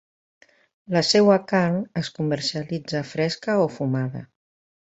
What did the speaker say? La seua carn es comercialitza fresca o fumada.